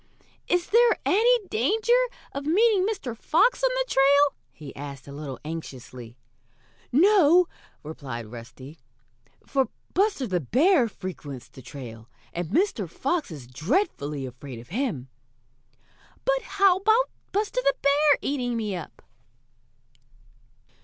"Is there any danger of meeting Mr. Fox on the trail?" he asked a little anxiously. "No," replied Rusty, "for Buster the Bear frequents the trail, and Mr. Fox is dreadfully afraid of him." "But how about Buster the Bear eating me up?"